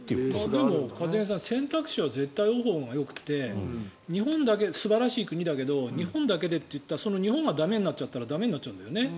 でも一茂さん、選択肢は多いほうが絶対よくて素晴らしい国だけど日本だけといったら日本が駄目になったら駄目になっちゃうんだよね。